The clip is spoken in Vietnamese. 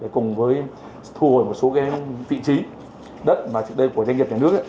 cùng với thu hồi một số vị trí đất mà trước đây của doanh nghiệp nhà nước